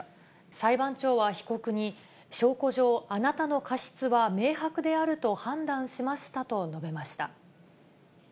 裁判長は被告に、証拠上、あなたの過失は明白であると判断しましたと述べました。